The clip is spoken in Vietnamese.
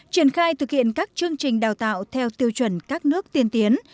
triển khai thực hiện các chương trình đào tạo theo tiêu chuẩn các nước tiên tiến